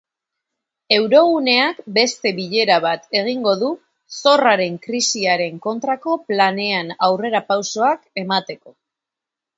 Euroguneak beste bilera bat egingo du zorraren krisiaren kontrako planean aurrerapausoak emateko.